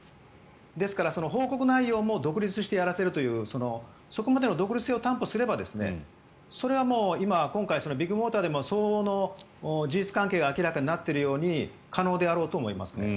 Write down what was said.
ですから、報告内容も独立してやらせるというそこまでの独立性を担保すればそれはもう、今回ビッグモーターでも相応の事実関係が明らかになっているように可能であろうと思いますね。